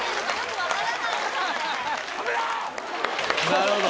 なるほど！